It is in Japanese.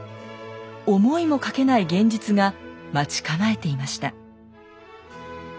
思いもかけない現実が待ち構えていました。